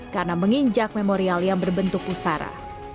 karena menginjak memorial yang berbentuk pusara